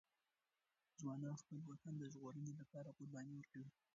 ځوانان د خپل وطن د ژغورنې لپاره قرباني ورکوي.